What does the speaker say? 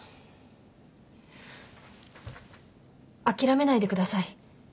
諦めないでください。